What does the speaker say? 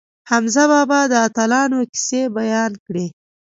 حمزه بابا د اتلانو کیسې بیان کړې.